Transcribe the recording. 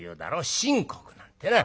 神国なんてな。